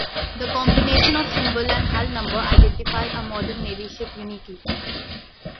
The combination of symbol and hull number identify a modern Navy ship uniquely.